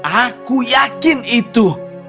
aku yakin itu